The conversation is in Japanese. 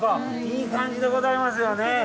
いい感じでございますよねぇ。